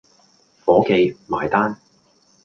伙記，埋單